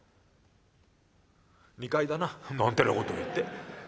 「２階だな」なんてなことを言って。